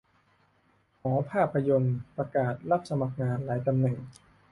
หอภาพยนตร์ประกาศรับสมัครงานหลายตำแหน่ง